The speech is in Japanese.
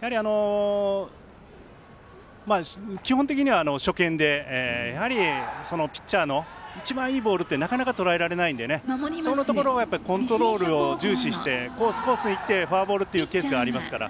やはり、基本的には初見でやはり、ピッチャーの一番いいボールってなかなかとらえられないのでそのところがコントロールを重視してコース、コースいってフォアボールっていうケースがありますから。